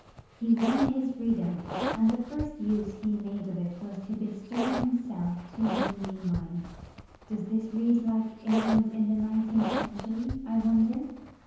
He won his freedom; and the first use he made of it was to bestir himself to win me mine. Does this read like 'England in the nineteenth century,' I wonder?